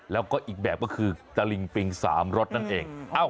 แล้วก็อีกแบบก็คือตะลิงปิงสามรสนั่นเอง